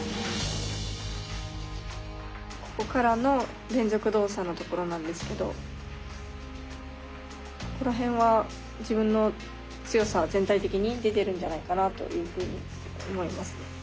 ここからの連続動作のところなんですけどここらへんは自分の強さが全体的に出てるんじゃないかなというふうに思いますね。